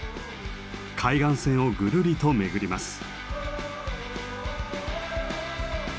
海岸線をぐるりと巡ります。